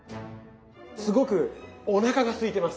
すごくおなかがすいてます。